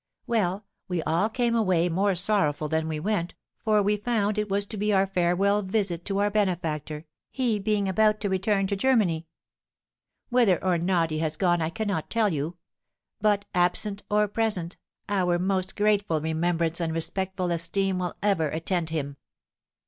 "Well, we all came away more sorrowful than we went, for we found it was to be our farewell visit to our benefactor, he being about to return to Germany. Whether or not he has gone I cannot tell you, but, absent or present, our most grateful remembrance and respectful esteem will ever attend him.